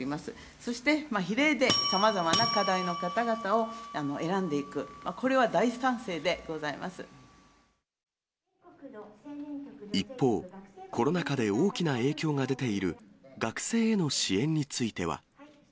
そして、比例でさまざまな課題の方々を選んでいく、これは大賛成でござい一方、コロナ禍で大きな影響が出ている、学生への支援については。